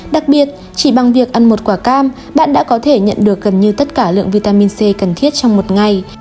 đặc biệt chỉ bằng việc ăn một quả cam bạn đã có thể nhận được gần như tất cả lượng vitamin c cần thiết trong một ngày